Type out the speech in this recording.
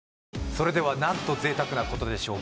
それではなんと贅沢なことでしょう